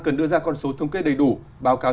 cần đưa ra con số thống kê đầy đủ báo cáo